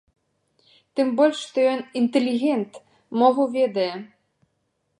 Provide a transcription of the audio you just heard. Тым больш, што ён інтэлігент, мову ведае.